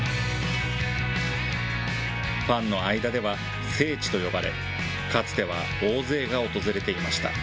ファンの間では聖地と呼ばれ、かつては大勢が訪れていました。